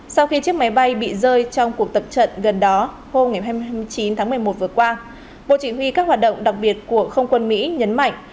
sau khi chiếc máy bay bị rơi trong cuộc tập trận gần đó hôm hai mươi chín tháng một mươi một vừa qua bộ chỉ huy các hoạt động đặc biệt của không quân mỹ nhấn mạnh